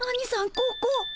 ここ。